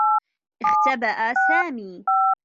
اختبأ سامي.